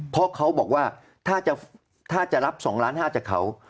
เพราะเขาบอกว่าถ้าจะรับ๒ล้าน๕จากเขา